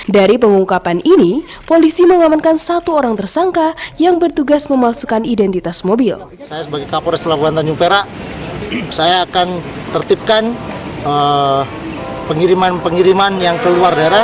dari pengungkapan ini polisi mengamankan satu orang tersangka yang bertugas memalsukan identitas mobil